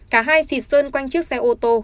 cả hai xịt sơn quanh chiếc xe ô tô